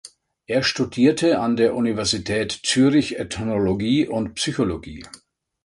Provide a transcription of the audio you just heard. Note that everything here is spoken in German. Er studierte an der Universität Zürich Ethnologie und Psychologie.